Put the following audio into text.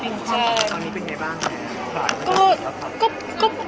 ตอนนี้เป็นยังไงบ้าง